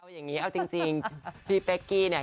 อย่างนี้เอาจริงพี่เป๊กกี้เนี่ย